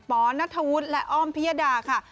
ปนัทธวุฒิและอ้อมพิยดาค่ะ